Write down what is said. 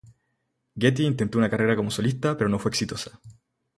Getty intentó una carrera como solista pero no fue exitosa.